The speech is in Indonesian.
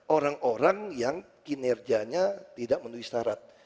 orang orang yang kinerjanya tidak menuhi syarat